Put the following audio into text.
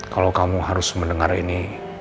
kalau kamu harus mendengar ini